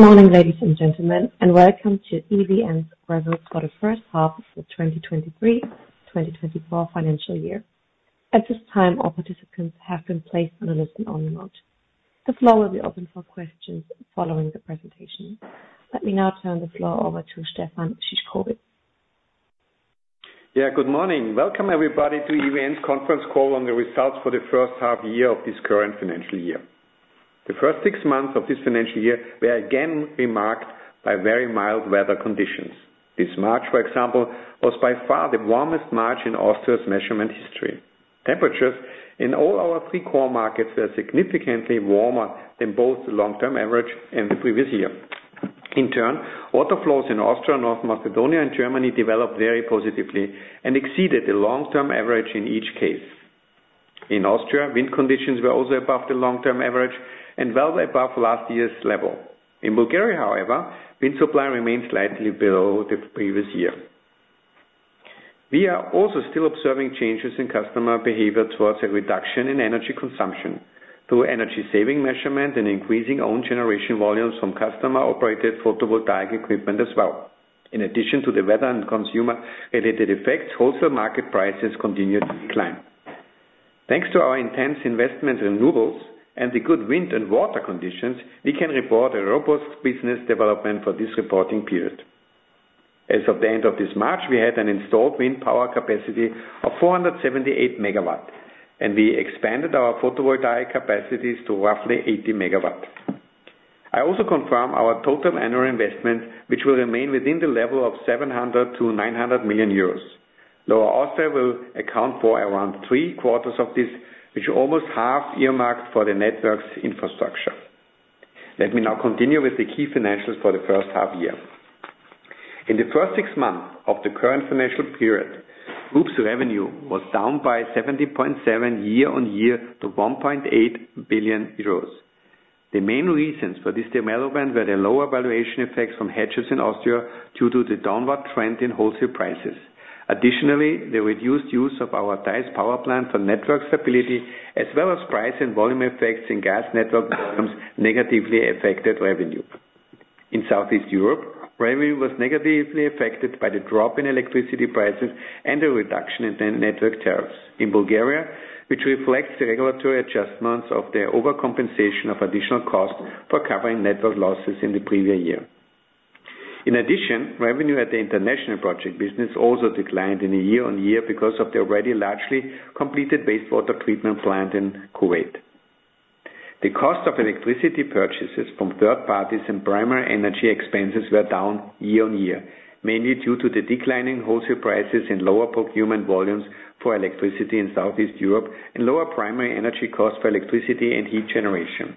Good morning, ladies and gentlemen, and welcome to EVN's results for the first half of the 2023-2024 financial year. At this time, all participants have been placed on a listen-only mode. The floor will be open for questions following the presentation. Let me now turn the floor over to Stefan Szyszkowitz. Yeah, good morning. Welcome, everybody, to EVN's conference call on the results for the first half year of this current financial year. The first six months of this financial year were again marked by very mild weather conditions. This March, for example, was by far the warmest March in Austria's measurement history. Temperatures in all our three core markets were significantly warmer than both the long-term average and the previous year. In turn, water flows in Austria, North Macedonia, and Germany developed very positively and exceeded the long-term average in each case. In Austria, wind conditions were also above the long-term average and well above last year's level. In Bulgaria, however, wind supply remained slightly below the previous year. We are also still observing changes in customer behavior towards a reduction in energy consumption through energy-saving measures and increasing own generation volumes from customer-operated photovoltaic equipment as well. In addition to the weather and consumer-related effects, wholesale market prices continued to decline. Thanks to our intense investment in renewables and the good wind and water conditions, we can report a robust business development for this reporting period. As of the end of this March, we had an installed wind power capacity of 478 MW, and we expanded our photovoltaic capacities to roughly 80 MW. I also confirm our total annual investments, which will remain within the level of 700 million-900 million euros. Lower Austria will account for around three-quarters of this, which almost half earmarked for the network's infrastructure. Let me now continue with the key financials for the first half year. In the first six months of the current financial period, group's revenue was down by 70.7 year-on-year to 1.8 billion euros. The main reasons for this development were the lower valuation effects from hedges in Austria due to the downward trend in wholesale prices. Additionally, the reduced use of our Theiss power plant for network stability, as well as price and volume effects in gas network volumes negatively affected revenue. In Southeast Europe, revenue was negatively affected by the drop in electricity prices and the reduction in network tariffs. In Bulgaria, which reflects the regulatory adjustments of the overcompensation of additional costs for covering network losses in the previous year. In addition, revenue at the international project business also declined in a year-on-year because of the already largely completed wastewater treatment plant in Kuwait. The cost of electricity purchases from third parties and primary energy expenses were down year-over-year, mainly due to the declining wholesale prices and lower procurement volumes for electricity in Southeast Europe and lower primary energy costs for electricity and heat generation.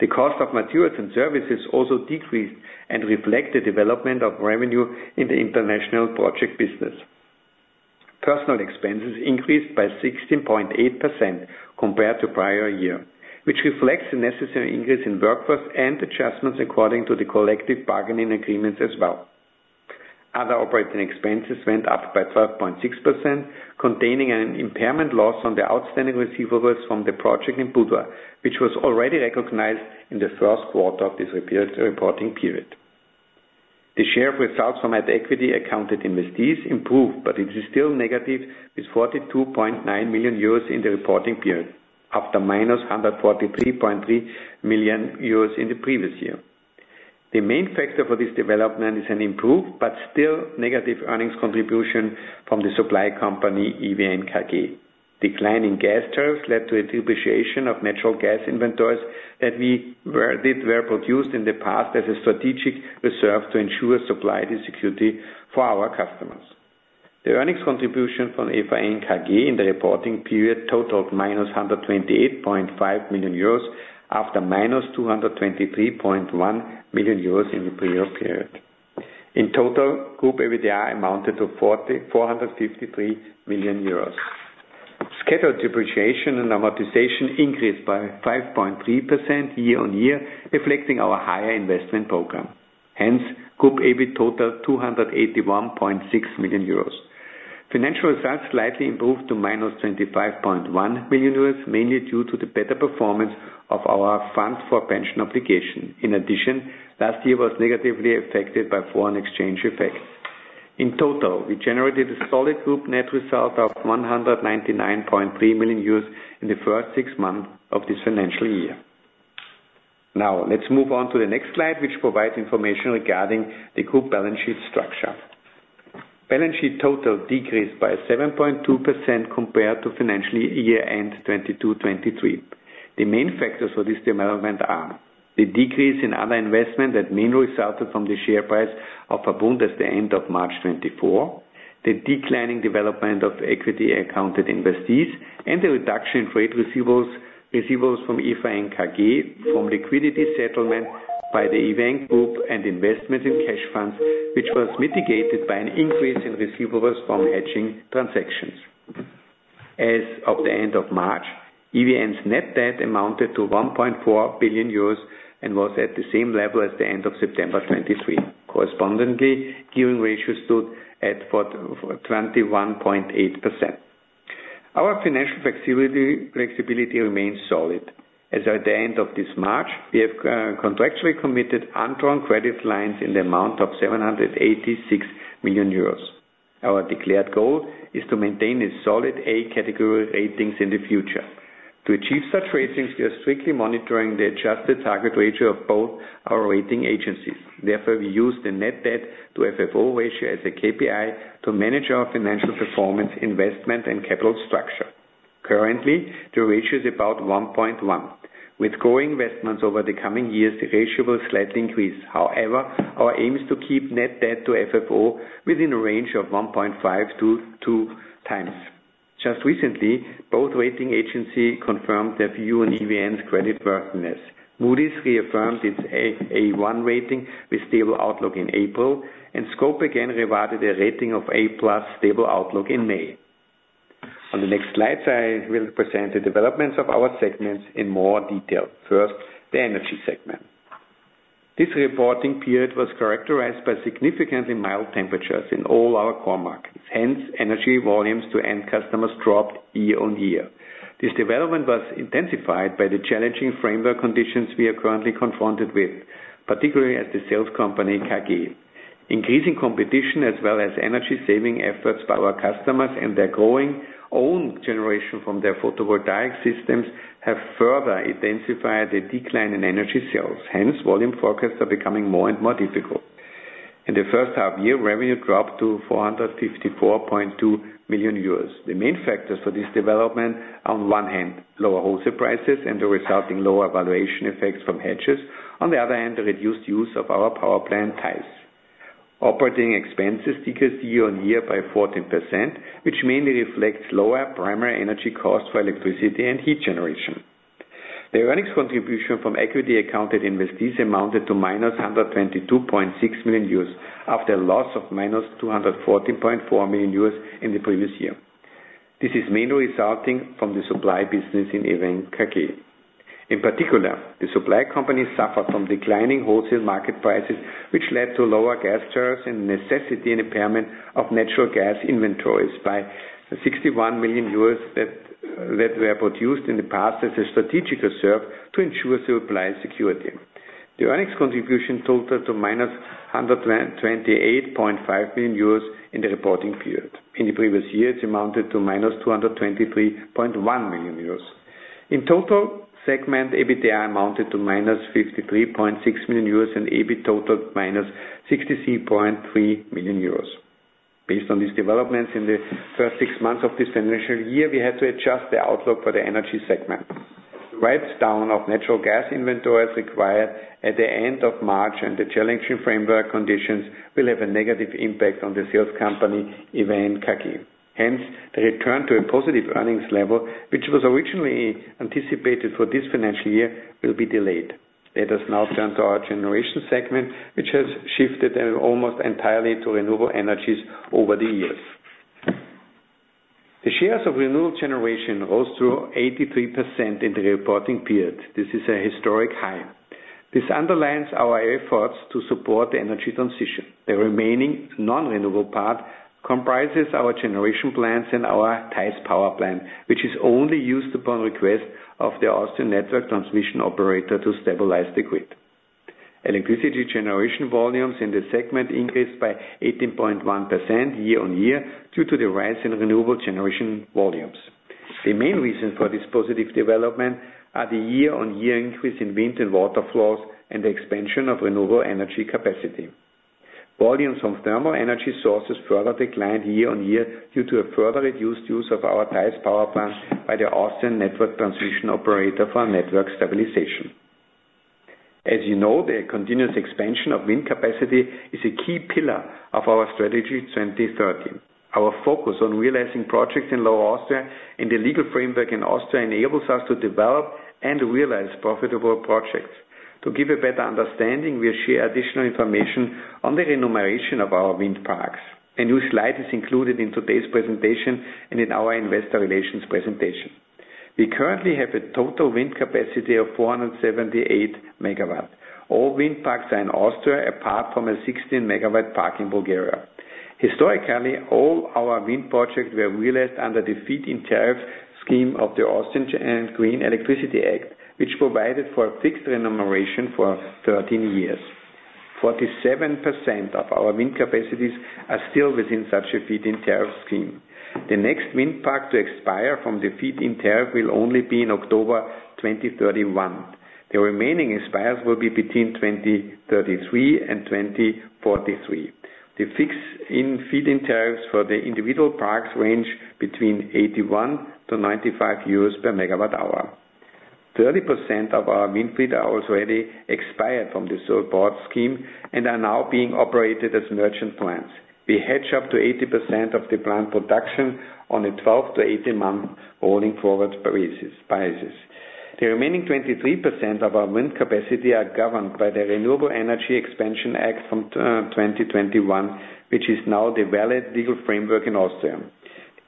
The cost of materials and services also decreased and reflected the development of revenue in the international project business. Personnel expenses increased by 16.8% compared to prior year, which reflects the necessary increase in workforce and adjustments according to the collective bargaining agreements as well. Other operating expenses went up by 12.6%, containing an impairment loss on the outstanding receivables from the project in Budva, which was already recognized in the first quarter of this reporting period. The share of results from at-equity accounted investees improved, but it is still negative with 42.9 million euros in the reporting period after minus 143.3 million euros in the previous year. The main factor for this development is an improved but still negative earnings contribution from the supply company EVN KG. Declining gas tariffs led to a depreciation of natural gas inventories that were produced in the past as a strategic reserve to ensure supply security for our customers. The earnings contribution from EVN KG in the reporting period totaled minus 128.5 million euros after minus 223.1 million euros in the prior period. In total, group EBITDA amounted to 453 million euros. Scheduled depreciation and amortization increased by 5.3% year-over-year, reflecting our higher investment program. Hence, group EBIT totaled 281.6 million euros. Financial results slightly improved to minus 25.1 million euros, mainly due to the better performance of our fund for pension obligation. In addition, last year was negatively affected by foreign exchange effects. In total, we generated a solid group net result of 199.3 million euros in the first six months of this financial year. Now, let's move on to the next slide, which provides information regarding the group balance sheet structure. Balance sheet total decreased by 7.2% compared to financial year-end 2022/23. The main factors for this development are the decrease in other investment that mainly resulted from the share price of Verbund at the end of March 2024, the declining development of equity accounted investees, and the reduction in trade receivables from EVN KG from liquidity settlement by the EVN group and investments in cash funds, which was mitigated by an increase in receivables from hedging transactions. As of the end of March, EVN's net debt amounted to 1.4 billion euros and was at the same level as the end of September 2023. Correspondingly, gearing ratios stood at 21.8%. Our financial flexibility remains solid. As of the end of this March, we have contractually committed undrawn credit lines in the amount of 786 million euros. Our declared goal is to maintain a solid A category ratings in the future. To achieve such ratings, we are strictly monitoring the adjusted target ratio of both our rating agencies. Therefore, we use the net debt to FFO ratio as a KPI to manage our financial performance, investment, and capital structure. Currently, the ratio is about 1.1. With growing investments over the coming years, the ratio will slightly increase. However, our aim is to keep net debt to FFO within a range of 1.5-2 times. Just recently, both rating agencies confirmed their view on EVN's creditworthiness. Moody's reaffirmed its A1 rating with stable outlook in April, and Scope again rewarded a rating of A plus stable outlook in May. On the next slides, I will present the developments of our segments in more detail. First, the energy segment. This reporting period was characterized by significantly mild temperatures in all our core markets. Hence, energy volumes to end customers dropped year-on-year. This development was intensified by the challenging framework conditions we are currently confronted with, particularly as the sales company KG. Increasing competition as well as energy-saving efforts by our customers and their growing own generation from their photovoltaic systems have further intensified the decline in energy sales. Hence, volume forecasts are becoming more and more difficult. In the first half year, revenue dropped to 454.2 million euros. The main factors for this development are, on one hand, lower wholesale prices and the resulting lower valuation effects from hedges. On the other hand, the reduced use of our power plant Theiss. Operating expenses decreased year-on-year by 14%, which mainly reflects lower primary energy costs for electricity and heat generation. The earnings contribution from equity accounted investees amounted to minus 122.6 million euros after a loss of minus 214.4 million euros in the previous year. This is mainly resulting from the supply business in EVN KG. In particular, the supply company suffered from declining wholesale market prices, which led to lower gas tariffs and necessity and impairment of natural gas inventories by 61 million euros that were produced in the past as a strategic reserve to ensure supply security. The earnings contribution totaled to minus 128.5 million euros in the reporting period. In the previous year, it amounted to -223.1 million euros. In total, segment EBITDA amounted to -53.6 million euros and EBIT totaled -63.3 million euros. Based on these developments in the first six months of this financial year, we had to adjust the outlook for the energy segment. The write-down of natural gas inventories required at the end of March and the challenging framework conditions will have a negative impact on the sales company EVN KG. Hence, the return to a positive earnings level, which was originally anticipated for this financial year, will be delayed. Let us now turn to our generation segment, which has shifted almost entirely to renewable energies over the years. The shares of renewable generation rose to 83% in the reporting period. This is a historic high. This underlines our efforts to support the energy transition. The remaining non-renewable part comprises our generation plants and our DICE power plant, which is only used upon request of the Austrian network transmission operator to stabilize the grid. Electricity generation volumes in the segment increased by 18.1% year-on-year due to the rise in renewable generation volumes. The main reason for this positive development is the year-on-year increase in wind and water flows and the expansion of renewable energy capacity. Volumes from thermal energy sources further declined year-on-year due to a further reduced use of our DICE power plant by the Austrian network transmission operator for network stabilization. As you know, the continuous expansion of wind capacity is a key pillar of our Strategy 2030. Our focus on realizing projects in Lower Austria and the legal framework in Austria enables us to develop and realize profitable projects. To give a better understanding, we share additional information on the remuneration of our wind parks. A new slide is included in today's presentation and in our investor relations presentation. We currently have a total wind capacity of 478 MW. All wind parks are in Austria apart from a 16-MW park in Bulgaria. Historically, all our wind projects were realized under the feed-in tariff scheme of the Austrian Green Electricity Act, which provided for a fixed remuneration for 13 years. 47% of our wind capacities are still within such a feed-in tariff scheme. The next wind park to expire from the feed-in tariff will only be in October 2031. The remaining expiries will be between 2033 and 2043. The fixed feed-in tariffs for the individual parks range between 81-95 euros per MWh. 30% of our wind feeds are already expired from the surplus scheme and are now being operated as merchant plants. We hedge up to 80% of the plant production on a 12-18-month rolling forward basis. The remaining 23% of our wind capacity are governed by the Renewable Energy Expansion Act from 2021, which is now the valid legal framework in Austria.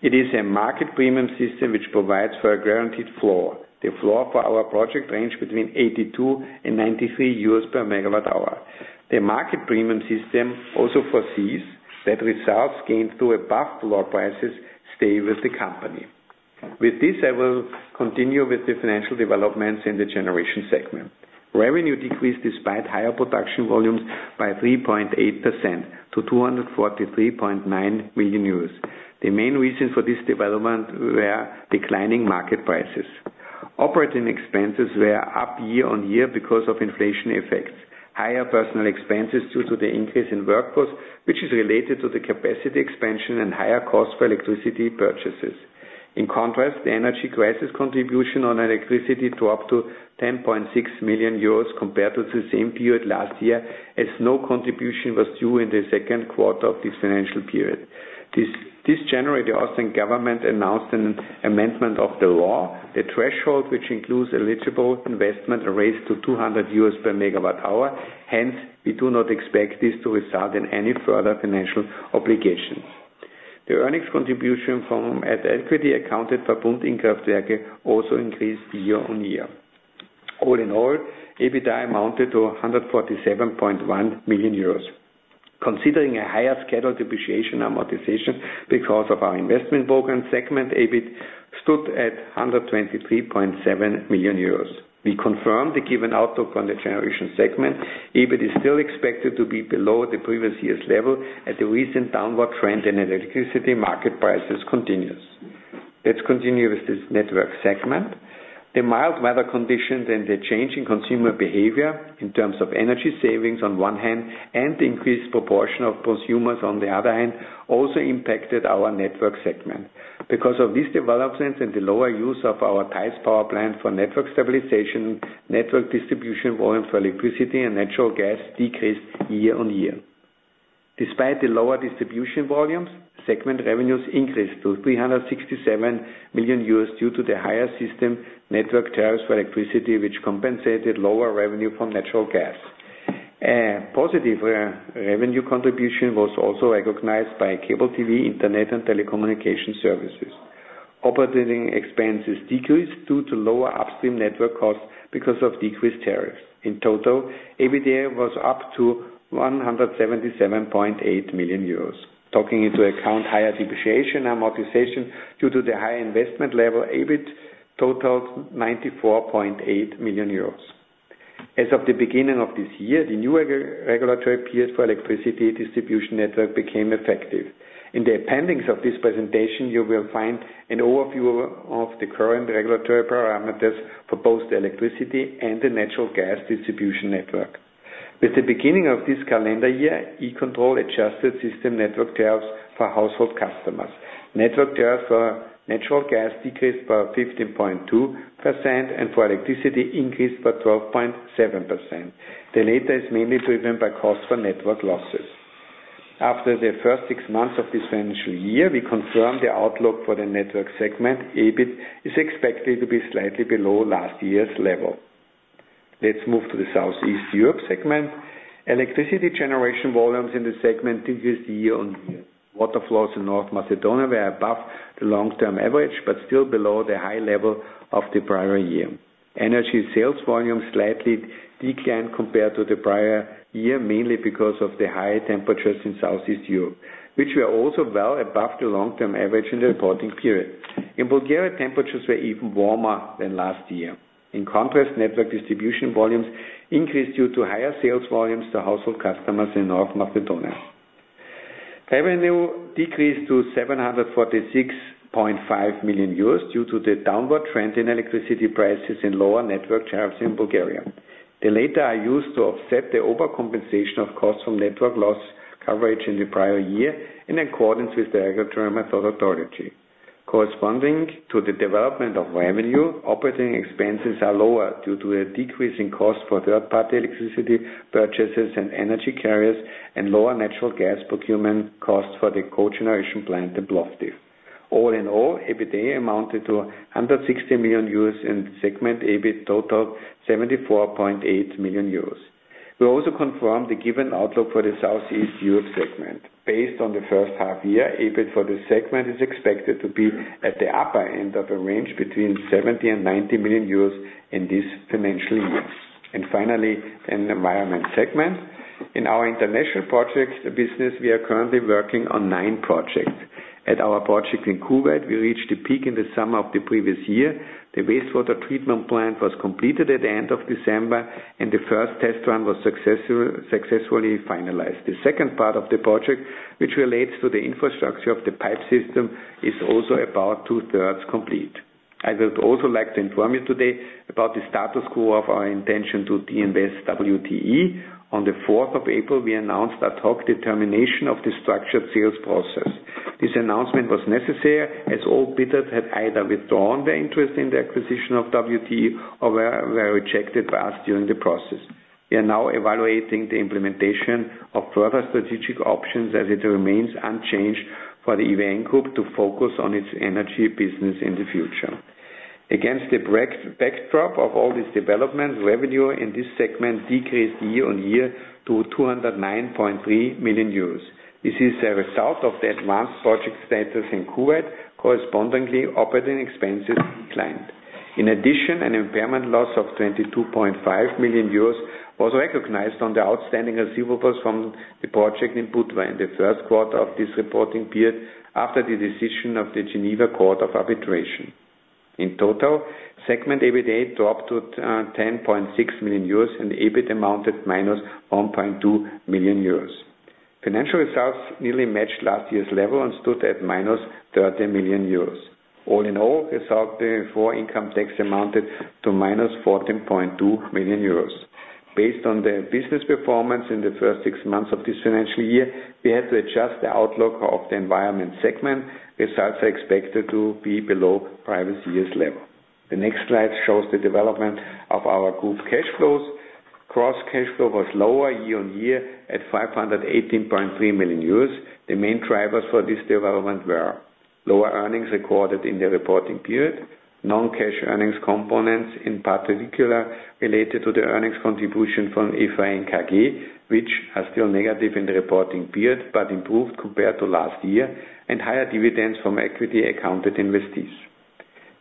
It is a market premium system, which provides for a guaranteed floor. The floor for our project ranged between 82-93 euros per megawatt hour. The market premium system also foresees that results gained through above floor prices stay with the company. With this, I will continue with the financial developments in the generation segment. Revenue decreased despite higher production volumes by 3.8% to 243.9 million euros. The main reason for this development was declining market prices. Operating expenses were up year-on-year because of inflation effects. Higher personnel expenses due to the increase in workforce, which is related to the capacity expansion and higher costs for electricity purchases. In contrast, the energy crisis contribution on electricity dropped to 10.6 million euros compared to the same period last year as no contribution was due in the second quarter of this financial period. This January, the Austrian government announced an amendment of the law. The threshold, which includes eligible investment, was raised to 200 per megawatt hour. Hence, we do not expect this to result in any further financial obligations. The earnings contribution from at equity accounted Verbund InnKraftwerke also increased year-on-year. All in all, EBITDA amounted to 147.1 million euros. Considering a higher scheduled depreciation amortization because of our investment program segment, EBIT stood at 123.7 million euros. We confirm the given outlook on the generation segment. EBIT is still expected to be below the previous year's level as the recent downward trend in electricity market prices continues. Let's continue with this network segment. The mild weather conditions and the changing consumer behavior in terms of energy savings on one hand and the increased proportion of consumers on the other hand also impacted our network segment. Because of these developments and the lower use of our Theiss power plant for network stabilization, network distribution volumes for electricity and natural gas decreased year-on-year. Despite the lower distribution volumes, segment revenues increased to 367 million euros due to the higher system network tariffs for electricity, which compensated lower revenue from natural gas. A positive revenue contribution was also recognized by cable TV, internet, and telecommunication services. Operating expenses decreased due to lower upstream network costs because of decreased tariffs. In total, EBITDA was up to 177.8 million euros. Taking into account higher depreciation amortization due to the higher investment level, EBIT totaled 94.8 million euros. As of the beginning of this year, the new regulatory period for electricity distribution network became effective. In the appendix of this presentation, you will find an overview of the current regulatory parameters for both the electricity and the natural gas distribution network. With the beginning of this calendar year, E-Control adjusted system network tariffs for household customers. Network tariffs for natural gas decreased by 15.2% and for electricity increased by 12.7%. The latter is mainly driven by costs for network losses. After the first six months of this financial year, we confirm the outlook for the network segment. EBIT is expected to be slightly below last year's level. Let's move to the Southeast Europe segment. Electricity generation volumes in the segment decreased year-on-year. Water flows in North Macedonia were above the long-term average but still below the high level of the prior year. Energy sales volumes slightly declined compared to the prior year, mainly because of the high temperatures in Southeast Europe, which were also well above the long-term average in the reporting period. In Bulgaria, temperatures were even warmer than last year. In contrast, network distribution volumes increased due to higher sales volumes to household customers in North Macedonia. Revenue decreased to 746.5 million euros due to the downward trend in electricity prices and lower network tariffs in Bulgaria. Delays are used to offset the overcompensation of costs from network loss coverage in the prior year in accordance with the regulatory methodology. Corresponding to the development of revenue, operating expenses are lower due to a decreasing cost for third-party electricity purchases and energy carriers and lower natural gas procurement costs for the co-generation plant in Plovdiv. All in all, EBITDA amounted to 160 million euros. In segment EBIT totaled 74.8 million euros. We also confirm the given outlook for the Southeast Europe segment. Based on the first half year, EBIT for this segment is expected to be at the upper end of a range between 70 million and 90 million euros in this financial year. Finally, an environment segment. In our international project business, we are currently working on nine projects. At our project in Kuwait, we reached the peak in the summer of the previous year. The wastewater treatment plant was completed at the end of December, and the first test run was successfully finalized. The second part of the project, which relates to the infrastructure of the pipe system, is also about two-thirds complete. I would also like to inform you today about the status quo of our intention to divest WTE. On the fourth of April, we announced the termination of the structured sales process. This announcement was necessary as all bidders had either withdrawn their interest in the acquisition of WTE or were rejected by us during the process. We are now evaluating the implementation of further strategic options as it remains unchanged for the EVN group to focus on its energy business in the future. Against the backdrop of all these developments, revenue in this segment decreased year-on-year to 209.3 million euros. This is a result of the advanced project status in Kuwait. Correspondingly, operating expenses declined. In addition, an impairment loss of 22.5 million euros was recognized on the outstanding receivables from the project in Budva in the first quarter of this reporting period after the decision of the Geneva Court of Arbitration. In total, segment EBITDA dropped to 10.6 million euros, and EBIT amounted to -1.2 million euros. Financial results nearly matched last year's level and stood at -30 million euros. All in all, resulting in foreign income tax amounted to -14.2 million euros. Based on the business performance in the first six months of this financial year, we had to adjust the outlook of the environment segment. Results are expected to be below previous year's level. The next slide shows the development of our group cash flows. Gross cash flow was lower year-on-year at 518.3 million euros. The main drivers for this development were lower earnings recorded in the reporting period, non-cash earnings components in particular related to the earnings contribution from EVN and KG, which are still negative in the reporting period but improved compared to last year, and higher dividends from equity accounted investees.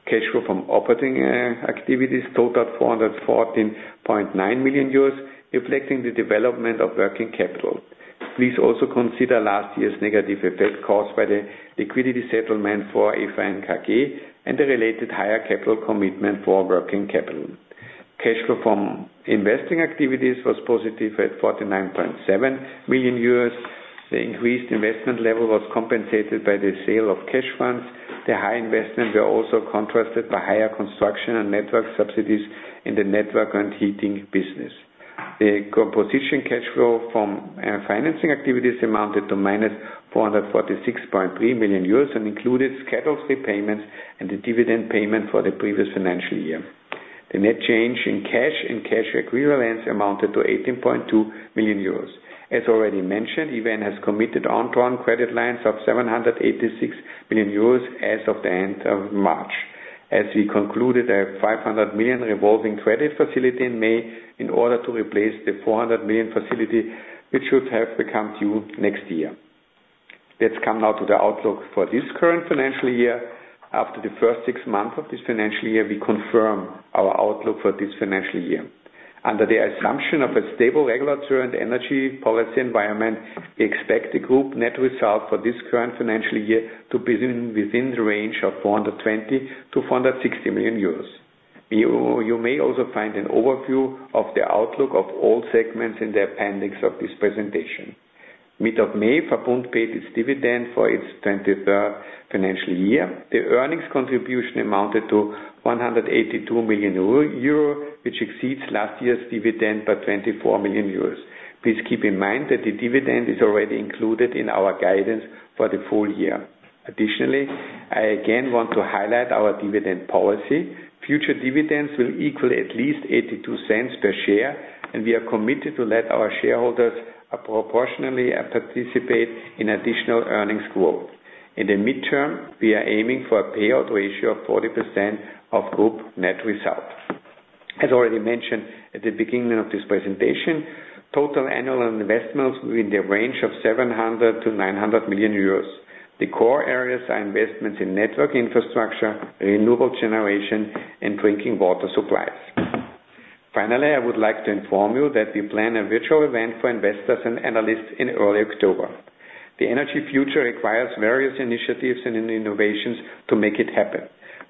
Cash flow from operating activities totaled 414.9 million euros, reflecting the development of working capital. Please also consider last year's negative effect caused by the liquidity settlement for EVN and KG and the related higher capital commitment for working capital. Cash flow from investing activities was positive at 49.7 million euros. The increased investment level was compensated by the sale of cash funds. The high investment was also contrasted by higher construction and network subsidies in the network and heating business. The cash flow from financing activities amounted to minus 446.3 million euros and included scheduled repayments and the dividend payment for the previous financial year. The net change in cash and cash equivalents amounted to 18.2 million euros. As already mentioned, EVN has committed undrawn credit lines of 786 million euros as of the end of March. As we concluded a 500 million revolving credit facility in May in order to replace the 400 million facility, which should have become due next year. Let's come now to the outlook for this current financial year. After the first six months of this financial year, we confirm our outlook for this financial year. Under the assumption of a stable regulatory and energy policy environment, we expect the group net result for this current financial year to be within the range of 420 million-460 million euros. You may also find an overview of the outlook of all segments in the appendix of this presentation. Mid of May, Verbund paid its dividend for its 23rd financial year. The earnings contribution amounted to 182 million euro, which exceeds last year's dividend by 24 million euros. Please keep in mind that the dividend is already included in our guidance for the full year. Additionally, I again want to highlight our dividend policy. Future dividends will equal at least 0.82 per share, and we are committed to let our shareholders proportionally participate in additional earnings growth. In the midterm, we are aiming for a payout ratio of 40% of group net result. As already mentioned at the beginning of this presentation, total annual investments will be in the range of 700 million-900 million euros. The core areas are investments in network infrastructure, renewable generation, and drinking water supplies. Finally, I would like to inform you that we plan a virtual event for investors and analysts in early October. The energy future requires various initiatives and innovations to make it happen.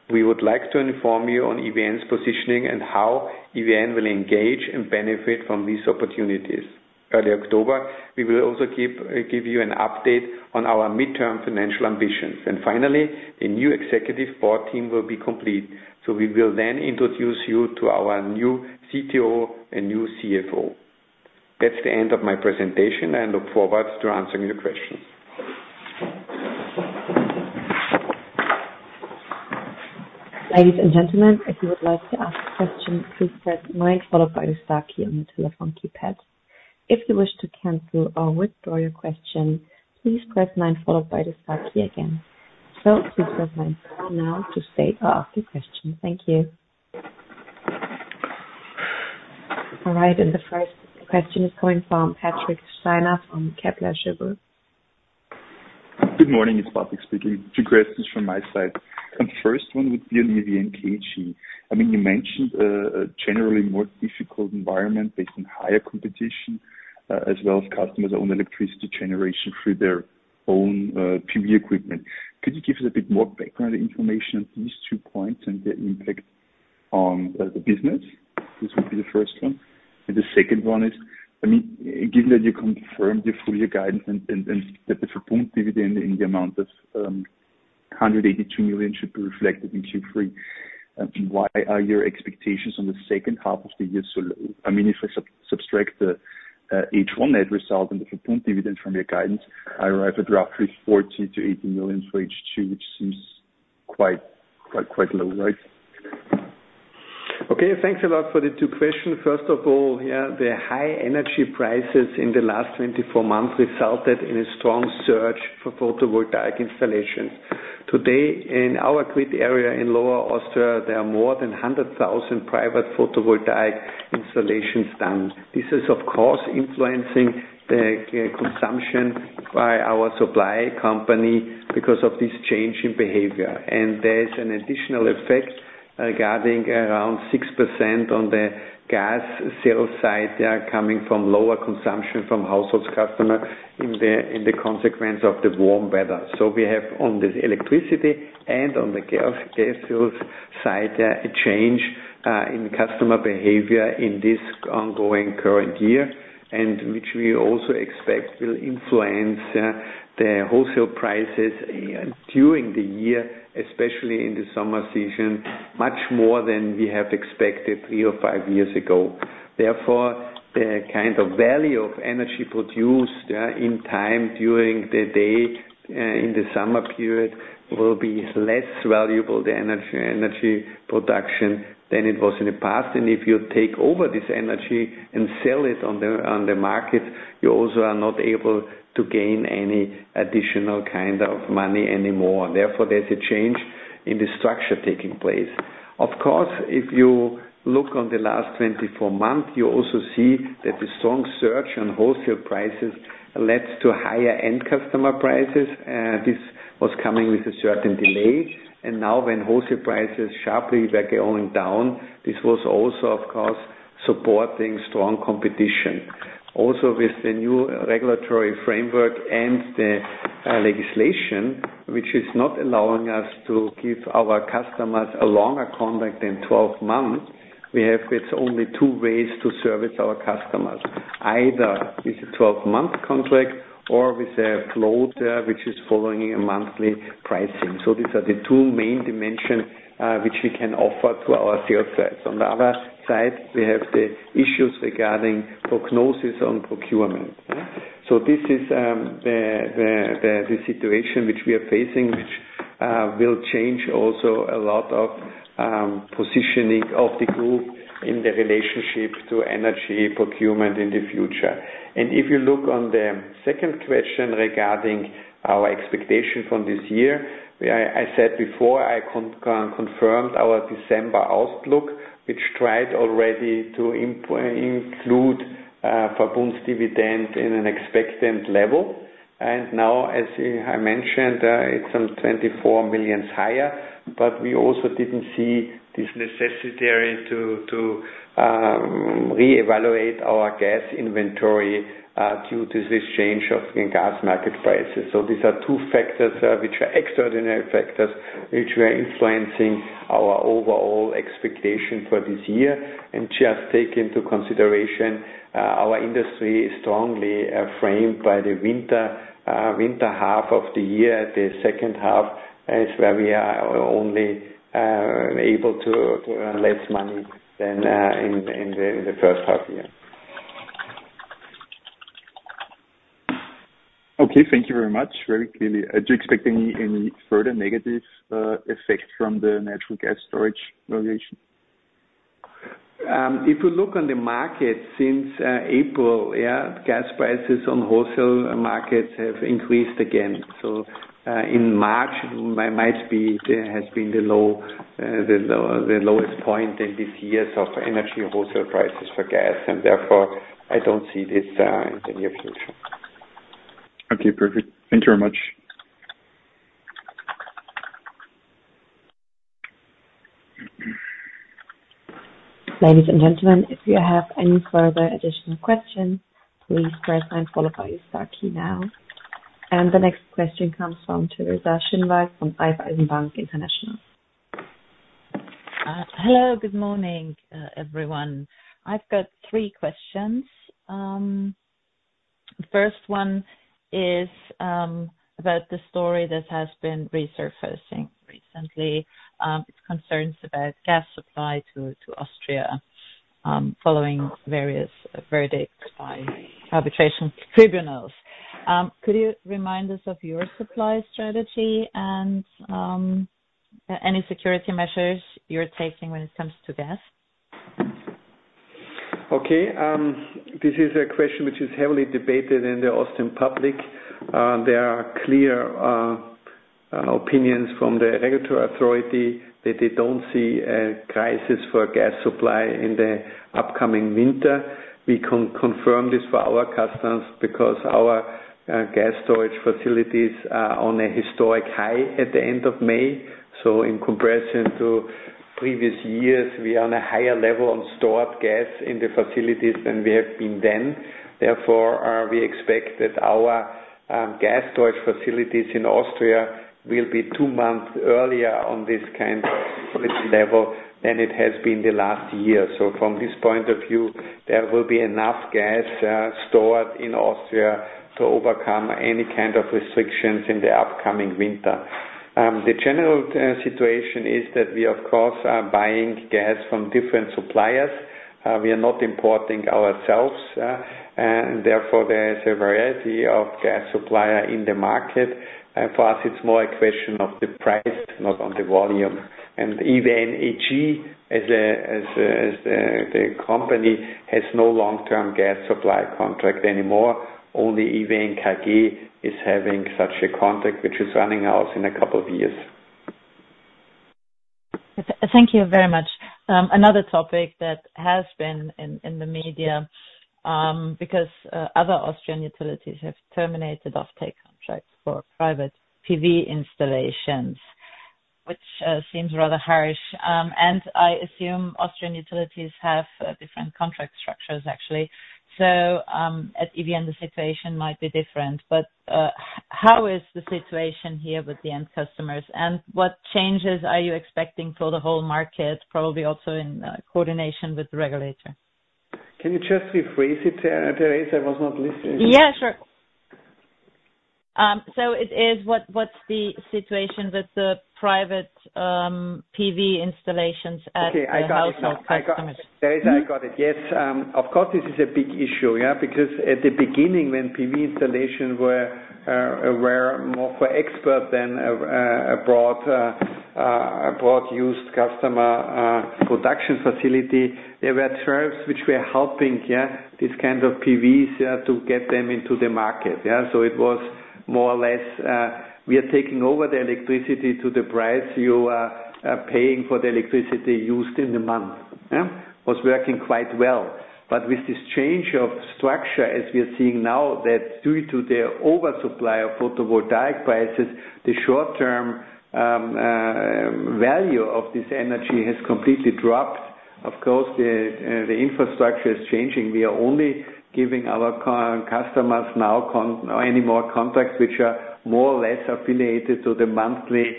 We would like to inform you on EVN's positioning and how EVN will engage and benefit from these opportunities. Early October, we will also give you an update on our midterm financial ambitions. Finally, the new executive board team will be complete. We will then introduce you to our new CTO and new CFO. That's the end of my presentation. I look forward to answering your questions. Ladies and gentlemen, if you would like to ask a question, please press nine followed by the star key on the telephone keypad. If you wish to cancel or withdraw your question, please press nine followed by the star key again. So please press nine now to state or ask your question. Thank you. All right. The first question is coming from Patrick Steiner from Kepler Cheuvreux. Good morning. It's Patrick speaking. Two questions from my side. The first one would be on EVN KG. I mean, you mentioned a generally more difficult environment based on higher competition as well as customers' own electricity generation through their own PV equipment. Could you give us a bit more background information on these two points and their impact on the business? This would be the first one. The second one is, I mean, given that you confirmed your full year guidance and that the Verbund dividend in the amount of 182 million should be reflected in Q3, why are your expectations on the second half of the year so low? I mean, if I subtract the H1 net result and the Verbund dividend from your guidance, I arrive at roughly 40 million-80 million for H2, which seems quite, quite, quite low, right? Okay. Thanks a lot for the two questions. First of all, yeah, the high energy prices in the last 24 months resulted in a strong surge for photovoltaic installations. Today, in our grid area in Lower Austria, there are more than 100,000 private photovoltaic installations done. This is, of course, influencing the consumption by our supply company because of this change in behavior. And there is an additional effect regarding around 6% on the gas sales side, yeah, coming from lower consumption from households customer in the consequence of the warm weather. So we have on the electricity and on the gas sales side, yeah, a change in customer behavior in this ongoing current year, and which we also expect will influence the wholesale prices during the year, especially in the summer season, much more than we have expected three or five years ago. Therefore, the kind of value of energy produced in time during the day in the summer period will be less valuable, the energy production, than it was in the past. And if you take over this energy and sell it on the market, you also are not able to gain any additional kind of money anymore. Therefore, there's a change in the structure taking place. Of course, if you look on the last 24 months, you also see that the strong surge on wholesale prices led to higher end customer prices. This was coming with a certain delay. Now when wholesale prices sharply were going down, this was also, of course, supporting strong competition. Also, with the new regulatory framework and the legislation, which is not allowing us to give our customers a longer contract than 12 months, we have only two ways to service our customers. Either with a 12-month contract or with a float, which is following a monthly pricing. So these are the two main dimensions which we can offer to our sales sides. On the other side, we have the issues regarding prognosis on procurement. So this is the situation which we are facing, which will change also a lot of positioning of the group in the relationship to energy procurement in the future. And if you look on the second question regarding our expectation from this year, I said before, I confirmed our December outlook, which tried already to include Verbund's dividend in an expected level. And now, as I mentioned, it's some 24 million higher. But we also didn't see this necessity to reevaluate our gas inventory due to this change of gas market prices. So these are two factors which are extraordinary factors which were influencing our overall expectation for this year. And just take into consideration, our industry is strongly framed by the winter half of the year. The second half is where we are only able to earn less money than in the first half year. Okay. Thank you very much. Very clearly. Do you expect any further negative effects from the natural gas storage regulation? If you look on the market since April, yeah, gas prices on wholesale markets have increased again. So in March, it might be has been the lowest point in these years of energy wholesale prices for gas. And therefore, I don't see this in the near future. Okay. Perfect. Thank you very much. Ladies and gentlemen, if you have any further additional questions, please press nine followed by the star key now. And the next question comes from Teresa Schinwald from Raiffeisen Bank International. Hello. Good morning, everyone. I've got three questions. The first one is about the story that has been resurfacing recently. It's concerns about gas supply to Austria following various verdicts by arbitration tribunals. Could you remind us of your supply strategy and any security measures you're taking when it comes to gas? Okay. This is a question which is heavily debated in the Austrian public. There are clear opinions from the regulatory authority that they don't see a crisis for gas supply in the upcoming winter. We can confirm this for our customers because our gas storage facilities are on a historic high at the end of May. In comparison to previous years, we are on a higher level on stored gas in the facilities than we have been then. Therefore, we expect that our gas storage facilities in Austria will be two months earlier on this kind of level than it has been the last year. From this point of view, there will be enough gas stored in Austria to overcome any kind of restrictions in the upcoming winter. The general situation is that we, of course, are buying gas from different suppliers. We are not importing ourselves. Therefore, there is a variety of gas suppliers in the market. For us, it's more a question of the price, not on the volume. And EVN AG, as the company, has no long-term gas supply contract anymore. Only EVN KG is having such a contract which is running out in a couple of years. Thank you very much. Another topic that has been in the media because other Austrian utilities have terminated offtake contracts for private PV installations, which seems rather harsh. And I assume Austrian utilities have different contract structures, actually. So at EVN, the situation might be different. But how is the situation here with the end customers? And what changes are you expecting for the whole market, probably also in coordination with the regulator? Can you just rephrase it, Teresa? I was not listening. Yeah. Sure. So it is, what's the situation with the private PV installations at the household customers? Okay. I got it. Teresa, I got it. Yes. Of course, this is a big issue, yeah, because at the beginning, when PV installation were more for expert than a broad-used customer production facility, there were tariffs which were helping, yeah, these kind of PVs to get them into the market, yeah? So it was more or less, "We are taking over the electricity to the price you are paying for the electricity used in the month," yeah? It was working quite well. But with this change of structure as we are seeing now that due to the oversupply of photovoltaic prices, the short-term value of this energy has completely dropped. Of course, the infrastructure is changing. We are only giving our customers now any more contracts which are more or less affiliated to the monthly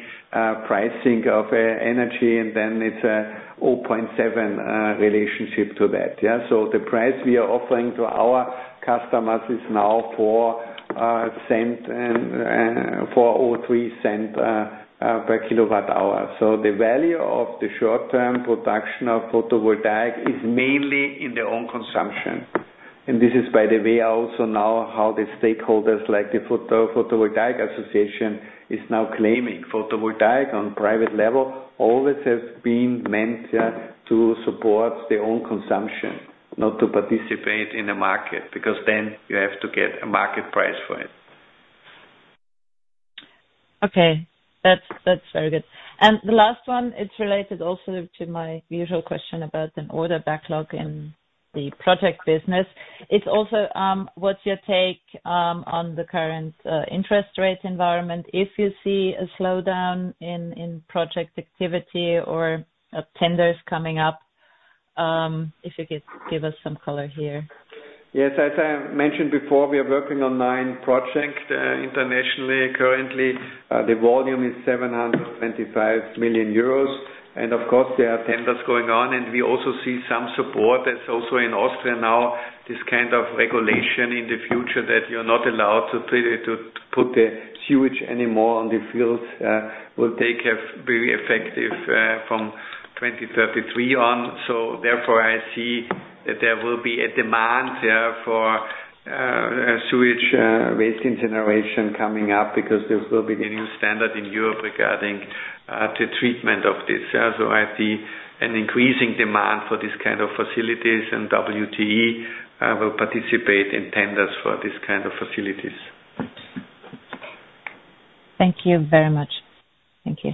pricing of energy. And then it's a 0.7 relationship to that, yeah? So the price we are offering to our customers is now 0.0403 per kWh. So the value of the short-term production of photovoltaic is mainly in the own consumption. And this is, by the way, also now how the stakeholders like the Photovoltaic Association is now claiming. Photovoltaic on private level always has been meant, yeah, to support the own consumption, not to participate in the market because then you have to get a market price for it. Okay. That's very good. And the last one, it's related also to my usual question about an order backlog in the project business. It's also what's your take on the current interest rate environment if you see a slowdown in project activity or tenders coming up? If you could give us some color here. Yes. As I mentioned before, we are working on nine projects internationally. Currently, the volume is 725 million euros. Of course, there are tenders going on. And we also see some support. There's also in Austria now this kind of regulation in the future that you're not allowed to put the sewage anymore on the fields. It will have to be effective from 2033 on. So therefore, I see that there will be a demand, yeah, for sewage waste incineration coming up because there will be a new standard in Europe regarding the treatment of this, yeah? So I see an increasing demand for this kind of facilities. And WTE will participate in tenders for this kind of facilities. Thank you very much. Thank you.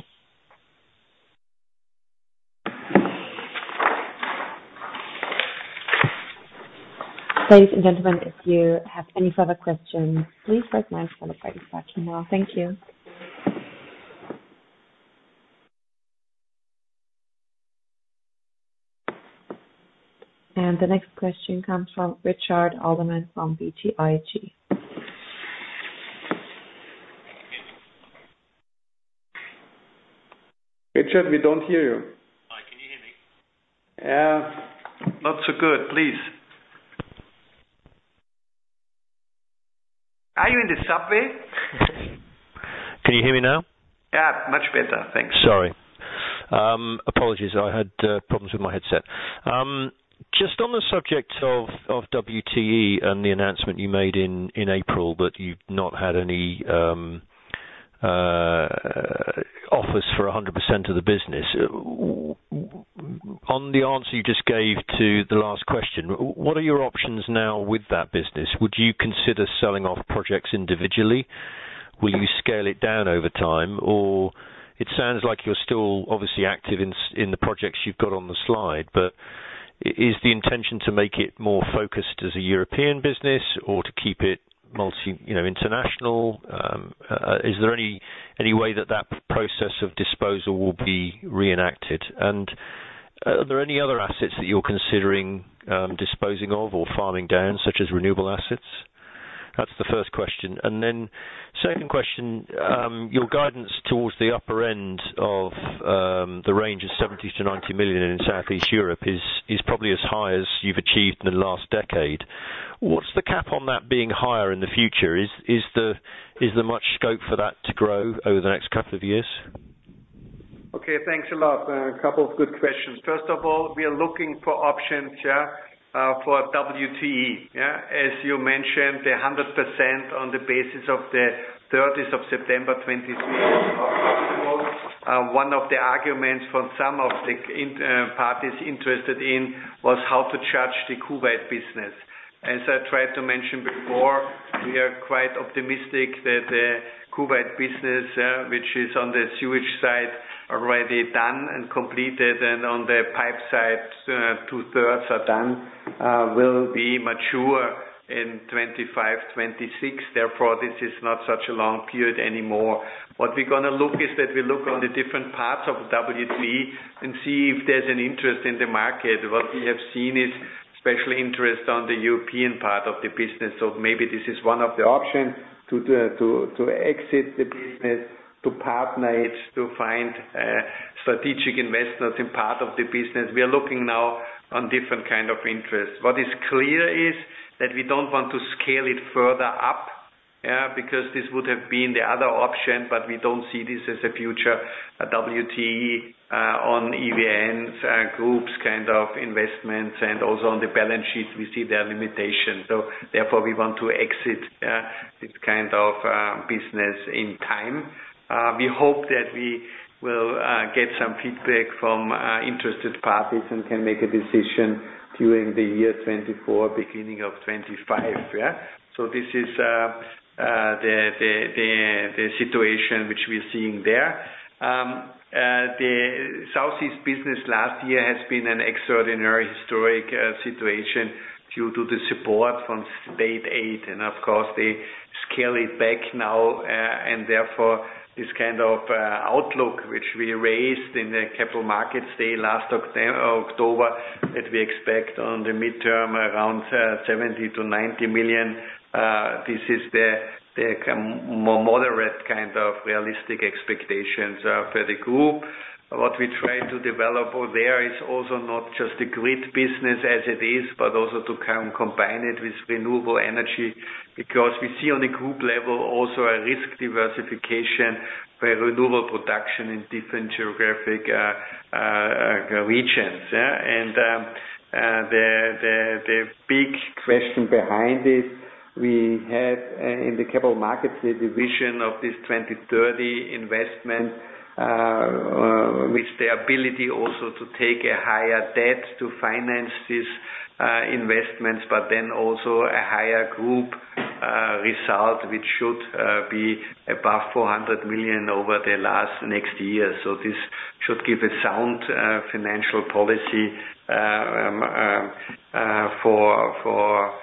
Ladies and gentlemen, if you have any further questions, please press nine followed by the star key now. Thank you. And the next question comes from Richard Alderman from BTIG. Richard, we don't hear you. Hi. Can you hear me? Yeah. Not so good. Please. Are you in the subway? Can you hear me now? Yeah. Much better. Thanks. Sorry. Apologies. I had problems with my headset. Just on the subject of WTE and the announcement you made in April that you've not had any offers for 100% of the business, on the answer you just gave to the last question, what are your options now with that business? Would you consider selling off projects individually? Will you scale it down over time? Or it sounds like you're still obviously active in the projects you've got on the slide. But is the intention to make it more focused as a European business or to keep it multi-international? Is there any way that that process of disposal will be reenacted? Are there any other assets that you're considering disposing of or farming down, such as renewable assets? That's the first question. Then second question, your guidance towards the upper end of the range of 70 million-90 million in Southeast Europe is probably as high as you've achieved in the last decade. What's the cap on that being higher in the future? Is there much scope for that to grow over the next couple of years? Okay. Thanks a lot. A couple of good questions. First of all, we are looking for options, yeah, for WTE. Yeah? As you mentioned, the 100% on the basis of the 30th of September 2023 is not possible. One of the arguments from some of the parties interested in was how to charge the Kuwait business. As I tried to mention before, we are quite optimistic that the Kuwait business, which is on the sewage side already done and completed, and on the pipe side, two-thirds are done, will be mature in 2025, 2026. Therefore, this is not such a long period anymore. What we're going to look is that we look on the different parts of WTE and see if there's an interest in the market. What we have seen is special interest on the European part of the business. So maybe this is one of the options to exit the business, to partner it, to find strategic investors in part of the business. We are looking now on different kind of interest. What is clear is that we don't want to scale it further up, yeah, because this would have been the other option. But we don't see this as a future. WTE on EVN's group's kind of investments and also on the balance sheet, we see their limitation. So therefore, we want to exit, yeah, this kind of business in time. We hope that we will get some feedback from interested parties and can make a decision during the year 2024, beginning of 2025, yeah? So this is the situation which we are seeing there. The Southeast business last year has been an extraordinary historic situation due to the support from state aid. And of course, they scale it back now. And therefore, this kind of outlook which we raised in the capital markets day last October that we expect on the midterm around 70-90 million, this is the more moderate kind of realistic expectations for the group. What we try to develop there is also not just a grid business as it is but also to combine it with renewable energy because we see on a group level also a risk diversification by renewable production in different geographic regions, yeah? And the big question behind is we have in the capital markets the division of this 2030 investment with the ability also to take a higher debt to finance these investments but then also a higher group result which should be above 400 million over the last next year. So this should give a sound financial policy for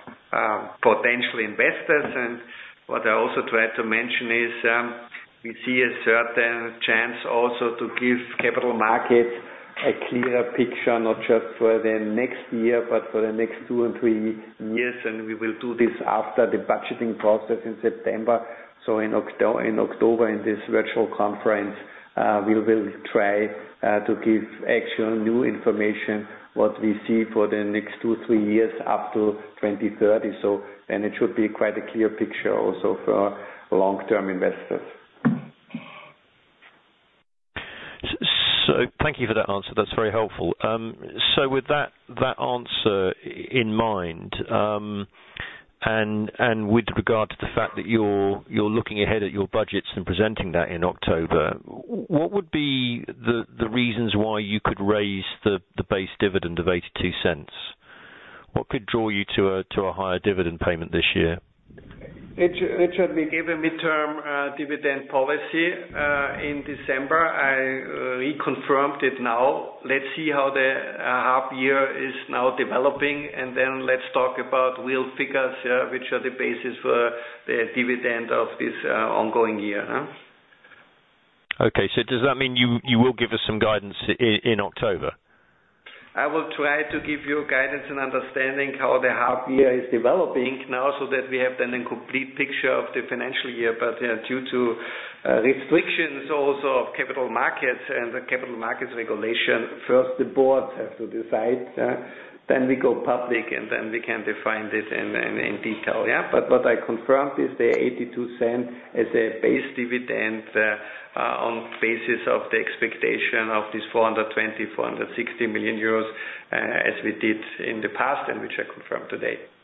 potential investors. And what I also tried to mention is we see a certain chance also to give capital markets a clearer picture, not just for the next year but for the next two and three years. And we will do this after the budgeting process in September. So in October, in this virtual conference, we will try to give actual new information what we see for the next two-three years up to 2030. So then it should be quite a clear picture also for long-term investors. So thank you for that answer. That's very helpful. So with that answer in mind and with regard to the fact that you're looking ahead at your budgets and presenting that in October, what would be the reasons why you could raise the base dividend of 0.82? What could draw you to a higher dividend payment this year? Richard, we gave a midterm dividend policy in December. I reconfirmed it now. Let's see how the half-year is now developing. And then let's talk about real figures, yeah, which are the basis for the dividend of this ongoing year, yeah? Okay. So does that mean you will give us some guidance in October? I will try to give you guidance and understanding how the half-year is developing now so that we have then a complete picture of the financial year. But due to restrictions also of capital markets and the capital markets regulation, first, the boards have to decide, yeah? Then we go public. And then we can define it in detail, yeah? But what I confirmed is the 0.82 as a base dividend on basis of the expectation of this 420 million-460 million euros as we did in the past and which I confirmed today.